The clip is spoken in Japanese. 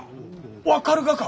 分かるがか！？